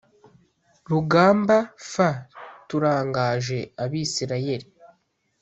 Rugamba f turangaje abisirayeli